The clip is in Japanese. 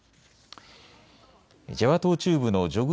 ジャワ島中部のジョグ